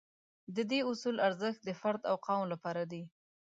د دې اصول ارزښت د فرد او قوم لپاره دی.